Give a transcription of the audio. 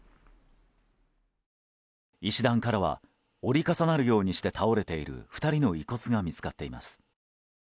石段からは折り重なるように倒れている２人の遺骨が見つかっています。